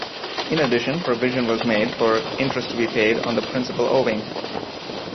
In addition provision was made for interest to be paid on the principal owing.